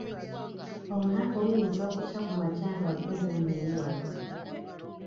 Olunaku luyinza okukya ku makya nga gwe nannyini wano.